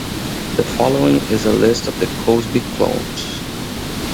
The following is a list of the Cosby clones.